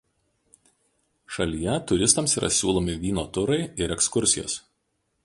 Šalyje turistams yra siūlomi vyno turai ir ekskursijos.